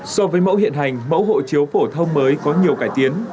so với mẫu hiện hành mẫu hộ chiếu phổ thông mới có nhiều cải tiến